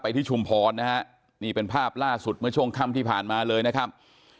ที่ชุมพรนะฮะนี่เป็นภาพล่าสุดเมื่อช่วงค่ำที่ผ่านมาเลยนะครับ